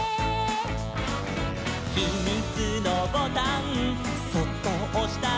「ひみつのボタンそっとおしたら」「」